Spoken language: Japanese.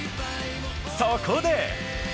そこで。